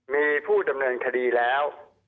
มีผู้ดำเนินคดีแล้ว